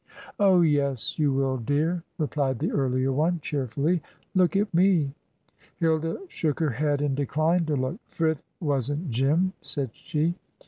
"Oh, yes, you will, dear," replied the earlier one, cheerfully: "look at me!" Hilda shook her head and declined to look. "Frith wasn't Jim," said she.